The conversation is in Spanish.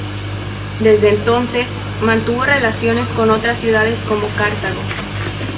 Desde entonces, mantuvo relaciones con otras ciudades como Cartago.